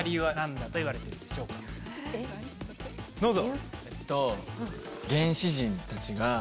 どうぞ。